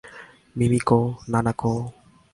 মিমিকো, নানাকো!